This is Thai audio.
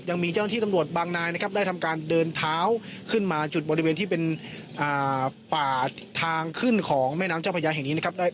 ยังมีเจ้าหน้าที่ตำรวจบางนายนะครับได้ทำการเดินเท้าขึ้นมาจุดบริเวณที่เป็นป่าทางขึ้นของแม่น้ำเจ้าพระยาแห่งนี้นะครับ